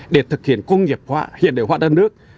để thực hiện công nghiệp hóa hiện đại hóa đất nước